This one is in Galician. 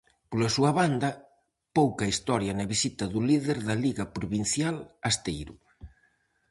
Pola súa banda, pouca historia na visita do líder da Liga Provincial a Esteiro.